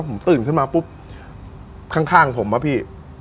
ผมตื่นขึ้นมาปุ๊บข้างผมอะพี่